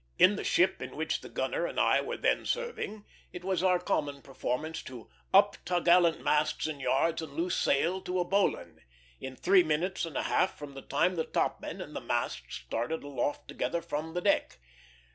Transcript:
In the ship in which the gunner and I were then serving, it was our common performance to "Up topgallant masts and yards, and loose sail to a bowline," in three minutes and a half from the time the topmen and the masts started aloft together from the deck.